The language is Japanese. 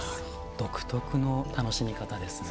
独特の楽しみ方ですね。